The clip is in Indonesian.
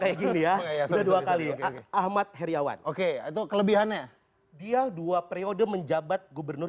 kayak gini ya udah dua kali ahmad heriawan oke itu kelebihannya dia dua periode menjabat gubernur